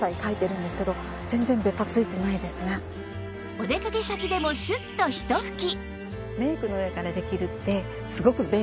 お出かけ先でもシュッとひと吹き